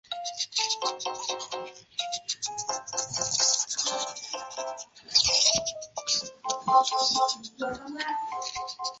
有野晋哉与滨口优是国中与高中同学。